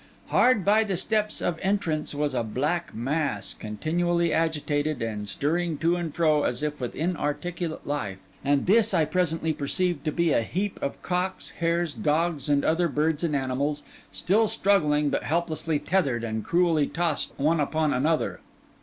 Hard by the steps of entrance was a black mass, continually agitated and stirring to and fro as if with inarticulate life; and this I presently perceived to be a heap of cocks, hares, dogs, and other birds and animals, still struggling, but helplessly tethered and cruelly tossed one upon another.